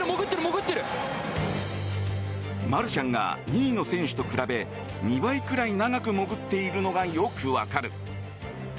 マルシャンが２位の選手と比べ２倍くらい長く潜っているのがよく分かる。